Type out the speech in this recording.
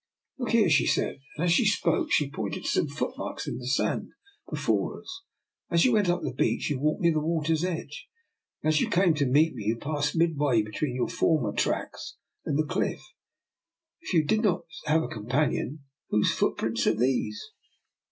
"" Look here," she said, and as she spoke she pointed to some footmarks on the sand before us. " As you went up the beach you walked near the water's edge, and as you came to meet me you passed midway between your former tracks and the cliff. If you did not have a companion, whose footprints are these?